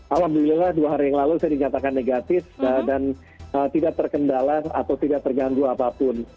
alhamdulillah dua hari yang lalu saya dinyatakan negatif dan tidak terkendala atau tidak terganggu apapun